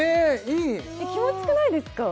いい気持ちよくないですか？